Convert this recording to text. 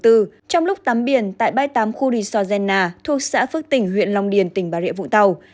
trong lúc tắm biển tại bãi tám khu đi sò gena thuộc xã phước tỉnh huyện long điền tỉnh bà rịa vũng tàu